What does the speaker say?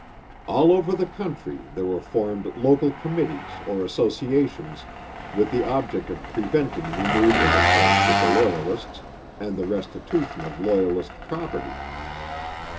All over the country there were formed local committees or associations with the object of preventing renewed intercourse with the Loyalists and the restitution of Loyalist property.